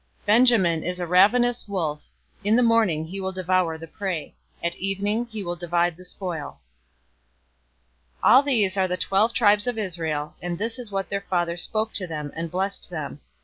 049:027 "Benjamin is a ravenous wolf. In the morning he will devour the prey. At evening he will divide the spoil." 049:028 All these are the twelve tribes of Israel, and this is what their father spoke to them and blessed them.